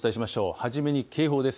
初めに警報です。